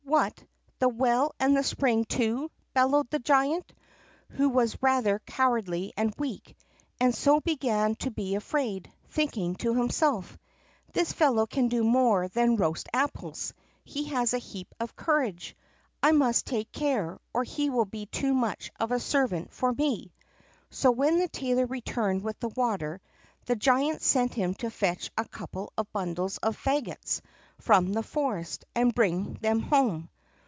"What! the well and its spring, too?" bellowed the giant, who was rather cowardly and weak, and so began to be afraid, thinking to himself: "This fellow can do more than roast apples; he has a heap of courage. I must take care, or he will be too much of a servant for me!" So, when the tailor returned with the water, the giant sent him to fetch a couple of bundles of faggots from the forest, and bring them home.